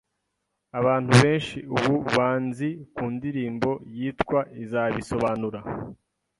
Abantu benshi ubu banzi ku ndirimbo yitwa ‘’izabisobanura’’,